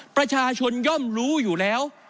ประชาชนย่อมรู้อยู่แล้ว